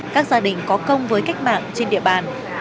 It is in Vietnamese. các gia đình có công với cách mạng trên địa bàn